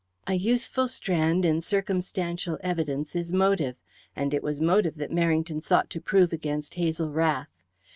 A useful strand in circumstantial evidence is motive, and it was motive that Merrington sought to prove against Hazel Rath.